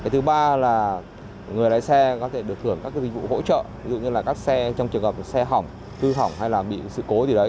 thứ ba là người lái xe có thể được thưởng các dịch vụ hỗ trợ ví dụ như là các xe trong trường hợp xe hỏng hư hỏng hay là bị sự cố gì đấy